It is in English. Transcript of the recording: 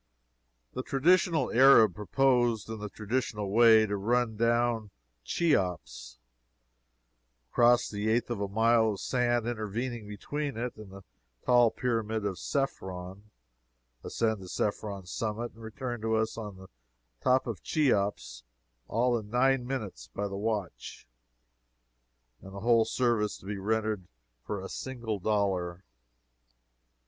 The traditional Arab proposed, in the traditional way, to run down Cheops, cross the eighth of a mile of sand intervening between it and the tall pyramid of Cephron, ascend to Cephron's summit and return to us on the top of Cheops all in nine minutes by the watch, and the whole service to be rendered for a single dollar.